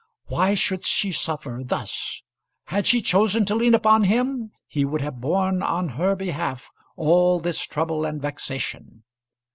Why should she suffer thus? Had she chosen to lean upon him, he would have borne on her behalf all this trouble and vexation.